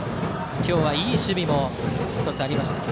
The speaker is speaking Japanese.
今日はいい守備も１つありました。